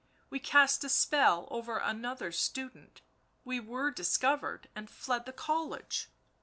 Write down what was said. . we cast a spell over another student — we were discovered and fled the college."